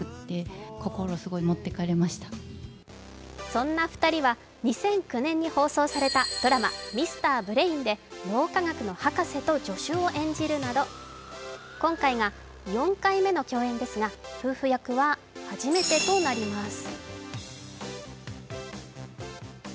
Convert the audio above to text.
そんな２人は２００９年に放送されたドラマ「ＭＲ．ＢＲＡＩＮ」で脳科学の博士と助手を演じるなど、今回が４回目の共演ですが夫婦役は初めてとなります。